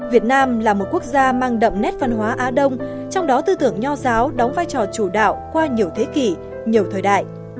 việt nam là một quốc gia mang đậm nét văn hóa á đông trong đó tư tưởng nho giáo đóng vai trò chủ đạo qua nhiều thế kỷ nhiều thời đại